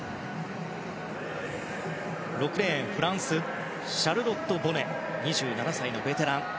６レーン、フランスのシャルロット・ボネ２７歳のベテラン。